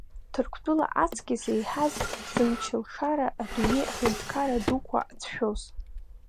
Ҭырқәтәыла аҵкьыс еиҳаз, зымч-зылшара адунеи аҳәынҭқарра дуқәа ацәшәоз…